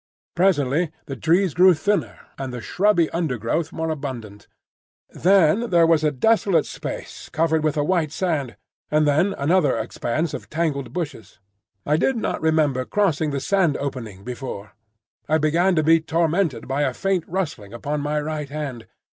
Presently the trees grew thinner, and the shrubby undergrowth more abundant. Then there was a desolate space covered with a white sand, and then another expanse of tangled bushes. I did not remember crossing the sand opening before. I began to be tormented by a faint rustling upon my right hand.